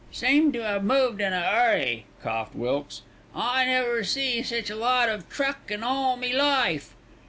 "Seemed to have moved in an 'urry," coughed Wilkes; "I never see sich a lot of truck in all me life."